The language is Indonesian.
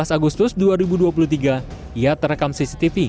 tujuh belas agustus dua ribu dua puluh tiga ia terekam cctv